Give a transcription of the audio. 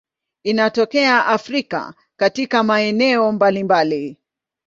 Inatokea Afrika katika maeneo mbalimbali.